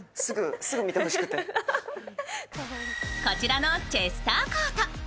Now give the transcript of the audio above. こちらのチェスターコート。